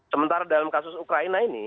sementara dalam kasus ukraina ini